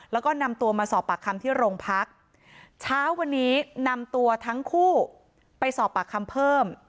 แล้วก็นำตัวมาสอบปากคำที่โรงพักเช้าวันนี้นำตัวทั้งคู่ไปสอบปากคำเพิ่ม